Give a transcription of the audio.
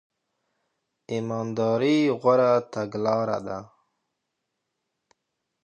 ایمانداري غوره تګلاره ده.